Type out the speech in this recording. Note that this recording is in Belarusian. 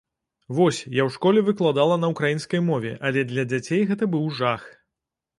Вось, я ў школе выкладала на ўкраінскай мове, але для дзяцей гэта быў жах.